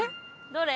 どれ？